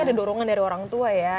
ada dorongan dari orang tua ya